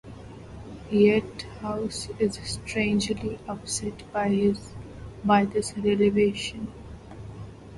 Yet House is strangely upset by this revelation.